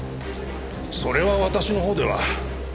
それは私のほうでは。